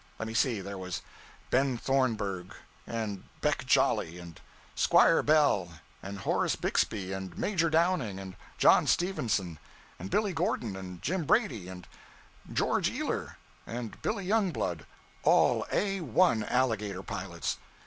Let me see: there was Ben Thornburg, and Beck Jolly, and Squire Bell, and Horace Bixby, and Major Downing, and John Stevenson, and Billy Gordon, and Jim Brady, and George Ealer, and Billy Youngblood all A 1 alligator pilots.